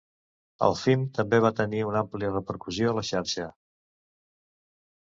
El film també va tenir una àmplia repercussió a la xarxa.